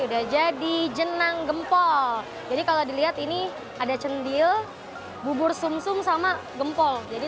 hai udah jadi jenang gempol jadi kalau dilihat ini ada cendil bubur sumsung sama gempol jadi